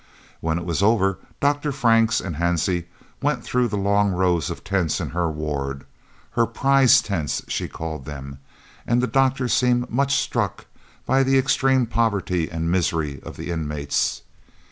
When it was over, Dr. Franks and Hansie went through the long rows of tents in her ward her "prize" tents she called them and the doctor seemed much struck by the extreme poverty and misery of the inmates.